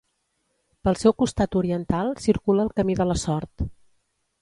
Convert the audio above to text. Pel seu costat oriental circula el Camí de la Sort.